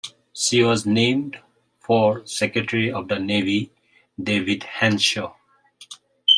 She was named for Secretary of the Navy David Henshaw.